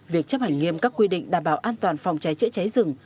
việc chấp hành nghiêm các quy định đảm bảo an toàn phòng cháy chữa cháy rừng